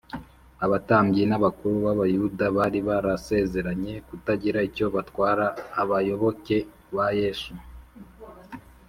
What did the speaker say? abatambyi n’abakuru b’abayuda bari barasezeranye kutagira icyo batwara abayoboke ba yesu